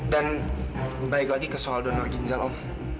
dan balik lagi ke soal donor ginjal om